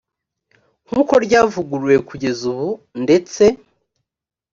nk uko ryavuguruwe kugeza ubu ndetse